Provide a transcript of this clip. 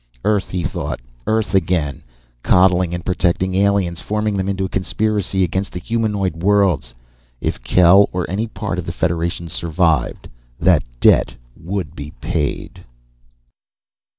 Earth, he thought; Earth again, coddling and protecting aliens, forming them into a conspiracy against the humanoid worlds. If Kel or any part of the Federation survived, that debt would be paid!